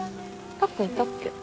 たっくんいたっけ？